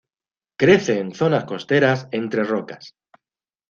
Crece en zonas costeras entre rocas.